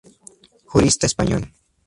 Jurista español.